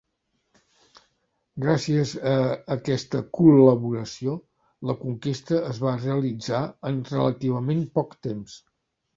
Gràcies a aquesta col·laboració la conquesta es va realitzar en relativament poc temps.